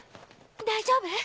大丈夫？